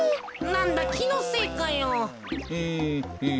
なんだきのせいかよ。へヘヘヘ。